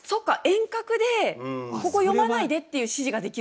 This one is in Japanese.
遠隔でここ読まないでっていう指示ができるんですか？